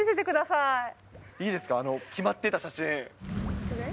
いいですか、決まってた写真。